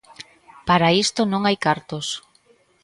Para isto non hai cartos.